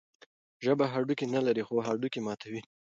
ژبه هډوکي نلري، خو هډوکي ماتوي.